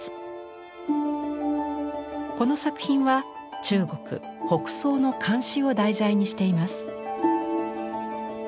この作品は中国北宋の漢詩を題材にしています。